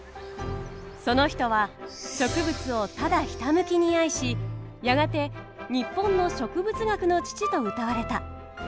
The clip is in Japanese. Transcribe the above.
その人は植物をただひたむきに愛しやがて日本の植物学の父とうたわれた。